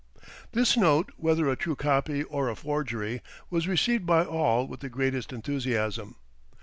This note, whether a true copy or a forgery, was received by all with the greatest enthusiasm.